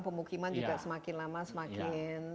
pemukiman juga semakin lama semakin